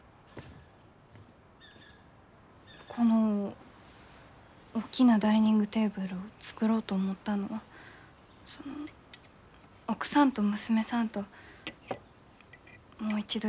この大きなダイニングテーブルを作ろうと思ったのはその奥さんと娘さんともう一度一緒に食卓を囲ん。